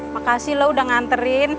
makasih lo udah nganterin